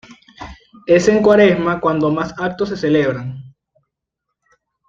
Es en cuaresma cuando más actos se celebran.